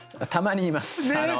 たまに言います。